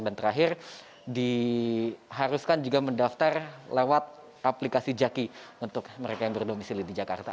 dan terakhir diharuskan juga mendaftar lewat aplikasi jaki untuk mereka yang berdomisili di jakarta